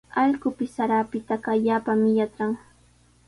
Allqupis sara apitaqa allaapami yatran.